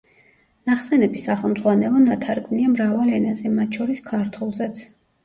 ნახსენები სახელმძღვანელო ნათარგმნია მრავალ ენაზე, მათ შორის ქართულზეც.